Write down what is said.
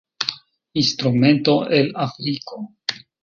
Instrumento el Afriko.